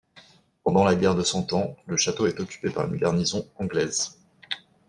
Pendant la guerre de Cent Ans, le château est occupé par une garnison anglaise.